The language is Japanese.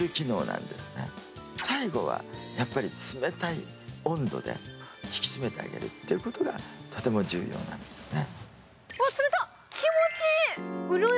最後はやっぱり冷たい温度で引き締めてあげるってことがとても重要なんですね。